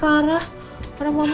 udah ternyata langsung meluk reva